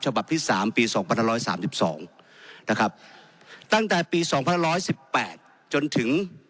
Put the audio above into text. ฉบับที่๓ปี๒๕๓๒ตั้งแต่ปี๒๑๑๘จนถึง